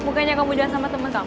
bukannya kamu jalan sama temen kamu